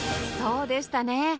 そうでしたね